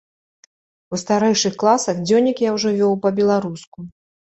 У старэйшых класах дзённік я ўжо вёў па-беларуску.